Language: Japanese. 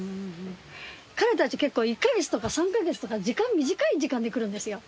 彼たち結構１か月とか３か月とか短い時間で来るんですよ